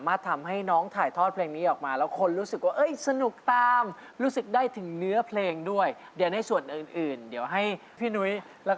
อยากให้อายซอยเป็นคนแก้ปลอดมาหนวดให้แน่